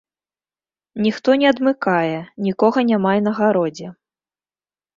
Ніхто не адмыкае, нікога няма і на гародзе.